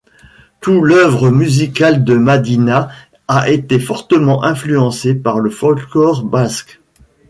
Tout l'œuvre musical de Madina a été fortement influencé par le folklore basque.